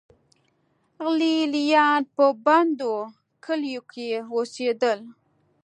لې لیان په بندو کلیو کې اوسېدل.